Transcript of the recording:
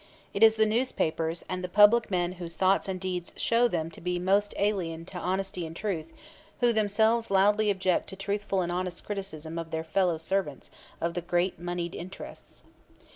It is the newspapers, and the public men whose thoughts and deeds show them to be most alien to honesty and truth who themselves loudly object to truthful and honest criticism of their fellow servants of the great moneyed interests.